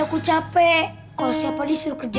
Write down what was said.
aku pengen hidup ini untuk saya sendiri